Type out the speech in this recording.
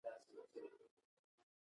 په همدې سره د بوټانو ارزښت له بیې کمېږي